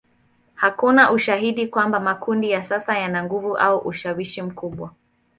Hakuna ushahidi kwamba makundi ya sasa yana nguvu au ushawishi mkubwa.